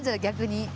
逆に。